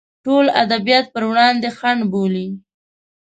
ټول ادبیات پر وړاندې خنډ بولي.